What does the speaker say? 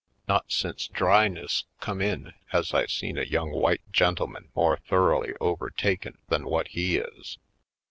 Not since Dryness come in has I seen a young white gentleman more thoroughly overtaken than what he is.